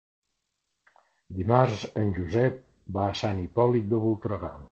Dimarts en Josep va a Sant Hipòlit de Voltregà.